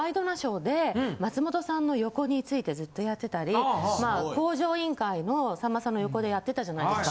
松本さんの横についてずっとやってたり。のさんまさんの横でやってたじゃないですか。